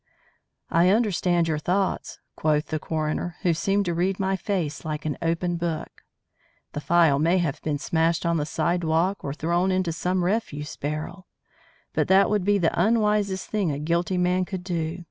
"I understand your thoughts," quoth the coroner, who seemed to read my face like an open book. "The phial may have been smashed on the sidewalk or thrown into some refuse barrel. But that would be the unwisest thing a guilty man could do.